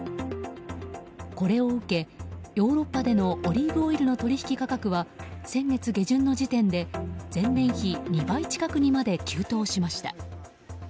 これを受け、ヨーロッパでのオリーブオイルの取引価格は先月下旬の時点で前年比２倍近くにまで急騰しました。